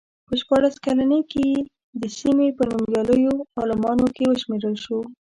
په شپاړس کلنۍ کې د سیمې په نومیالیو عالمانو کې وشمېرل شو.